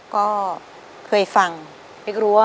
ก็มาเริ่มการแข่งขันกันเลยนะครับ